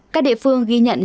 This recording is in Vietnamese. các địa phương ghi nhận